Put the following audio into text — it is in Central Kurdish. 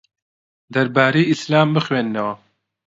دەربارەی ئیسلام بخوێنەوە.